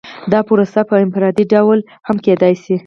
دا پروسه په انفرادي ډول هم کیدای شي.